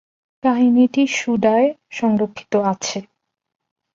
কাহিনীটি সুডায় সংরক্ষিত আছে।